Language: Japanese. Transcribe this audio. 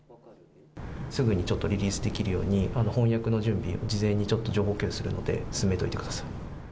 すぐにちょっとリリースできるように、翻訳の準備を、事前にちょっと情報共有するので、進めといてください。